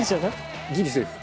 「ギリセーフ」